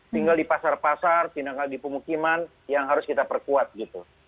tinggal di pasar pasar tinggal di pemukiman yang harus kita perkuat gitu